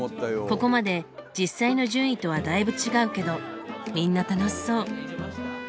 ここまで実際の順位とはだいぶ違うけどみんな楽しそう。